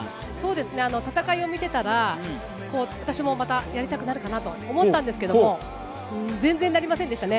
戦いを見ていたら、私もまたやりたくなるかなと思ったんですけれども、全然なりませんでしたね。